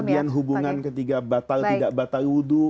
kemudian hubungan ketiga batal tidak batal wudhu